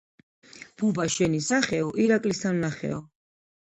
ბუბა შენი სახეო ირაკლისთან ვნახეო.